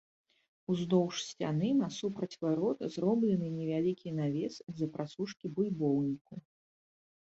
Уздоўж сцяны насупраць варот зроблены невялікі навес для прасушкі бульбоўніку.